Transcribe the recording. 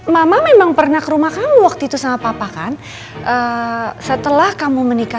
sampai jumpa di video selanjutnya